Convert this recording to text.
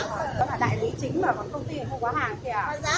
giá là đại lý chính mà công ty không có hàng kìa